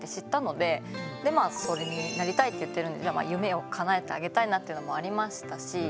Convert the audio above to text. でまあそれになりたいって言ってるんで夢をかなえてあげたいなっていうのもありましたし。